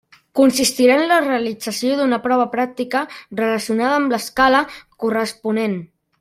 Consistirà en la realització d'una prova pràctica relacionada amb l'escala corresponent.